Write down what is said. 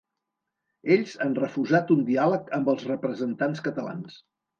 Ells han refusat un diàleg amb els representants catalans.